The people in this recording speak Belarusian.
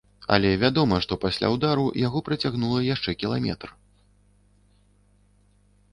Але вядома, што пасля ўдару яго працягнула яшчэ кіламетр.